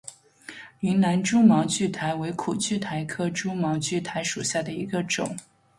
云南蛛毛苣苔为苦苣苔科蛛毛苣苔属下的一个种。